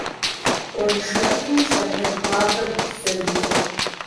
Гуэншэрыкъым лъэпэд хуабэт дызэритыр.